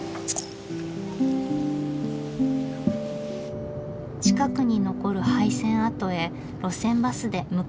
近くに残る廃線跡へ路線バスで向かうことにしました。